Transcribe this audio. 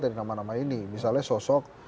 dari nama nama ini misalnya sosok